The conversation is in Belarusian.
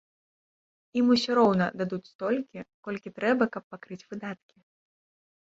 Ім усё роўна дадуць столькі, колькі трэба, каб пакрыць выдаткі.